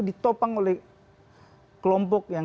ditopang oleh kelompok yang